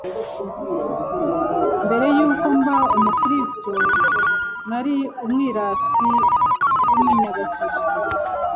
Mbere y’uko mba umukristo nari umwirasi w’umunyagasuzuguro,